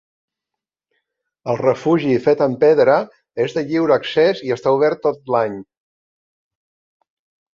El refugi fet amb pedra és de lliure accés i està obert tot l'any.